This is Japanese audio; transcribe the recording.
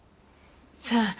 さあ？